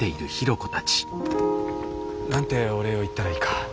何てお礼を言ったらいいか。